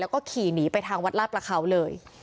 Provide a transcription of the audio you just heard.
แล้วก็ขี่หนีไปทางวัดลาดประเขาเลย